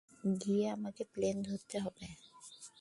গিয়ে আমাকে প্লেন ধরতে হবে।